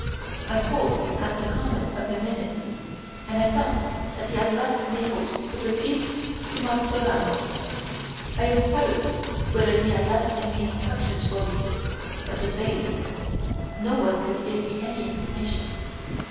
I called at the Convent of the Minims, and I found that he had left Naples to proceed to Martorano. I enquired whether he had left any instructions for me, but all in vain, no one could give me any information.